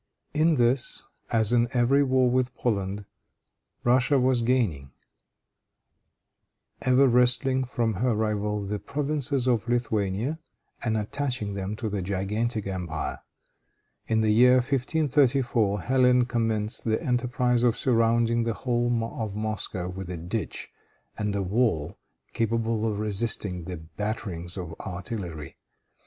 In this, as in every war with Poland, Russia was gaining, ever wresting from her rival the provinces of Lithuania, and attaching them to the gigantic empire. In the year 1534, Hélène commenced the enterprise of surrounding the whole of Moscow with a ditch, and a wall capable of resisting the batterings of artillery.